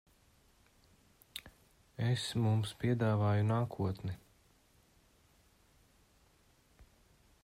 Es mums piedāvāju nākotni.